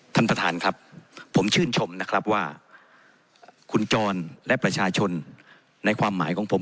ท่านประธานครับผมชื่นชมนะครับว่าคุณจรและประชาชนในความหมายของผม